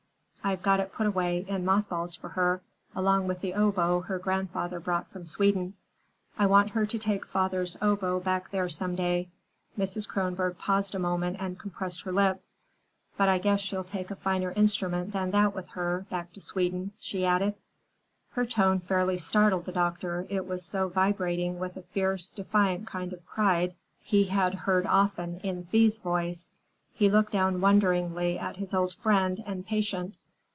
I've got it put away in moth balls for her, along with the oboe her grandfather brought from Sweden. I want her to take father's oboe back there some day." Mrs. Kronborg paused a moment and compressed her lips. "But I guess she'll take a finer instrument than that with her, back to Sweden!" she added. Her tone fairly startled the doctor, it was so vibrating with a fierce, defiant kind of pride he had heard often in Thea's voice. He looked down wonderingly at his old friend and patient.